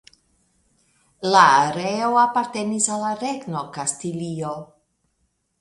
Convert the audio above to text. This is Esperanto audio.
La areo apartenis al la Regno Kastilio.